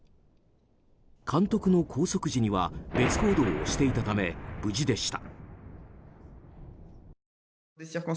監督の拘束時には別行動をしていたため無事でした。